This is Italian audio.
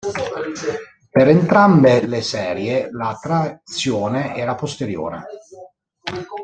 Per entrambe le serie la trazione era posteriore.